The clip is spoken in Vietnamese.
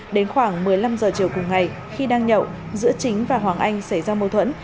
đến khoảng một mươi năm h chiều cùng ngày khi đang nhậu giữa chính và hoàng anh xảy ra mâu thuẫn